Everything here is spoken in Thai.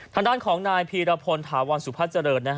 ทางด้านของนายพีรพลถาวรสุพัฒนเจริญ